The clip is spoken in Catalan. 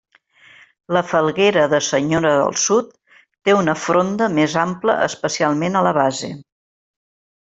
La falguera de senyora del sud té una fronda més ampla, especialment a la base.